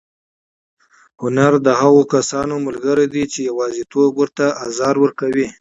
هنر د هغو کسانو ملګری دی چې یوازېتوب ورته ازار ورکوي.